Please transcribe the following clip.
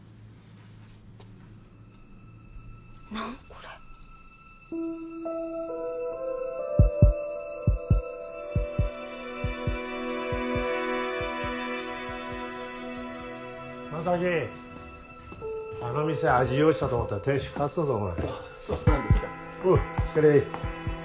何これ柾あの店味落ちたと思ったら店主かわってたぞお前あっそうなんですかおうお疲れ